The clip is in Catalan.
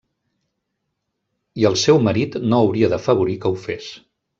I el seu marit no hauria d'afavorir que ho fes.